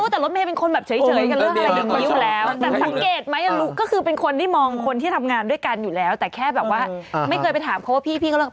ไทยจะบอกให้ดูไหมไอ้เช้าจะรู้ดีสุด